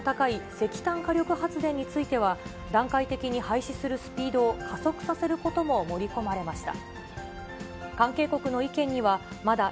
石炭火力発電については、段階的に廃止するスピードを加速させることも盛り込まれました。